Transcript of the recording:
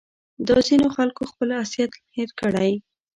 دا ځینو خلکو خپل اصلیت هېر کړی